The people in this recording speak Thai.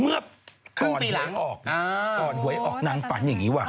เมื่อก่อนหวยออกนางฝันอย่างนี้ว่ะ